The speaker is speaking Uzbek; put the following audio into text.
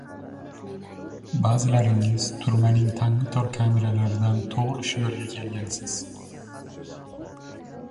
Ba’zilaringiz turmaning tangu-tor kameralaridan to‘g‘ri shu yerga kelgansiz.